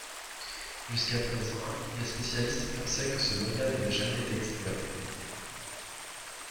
Jusqu’à présent, les spécialistes pensaient que ce brevet n’avait jamais été exploité.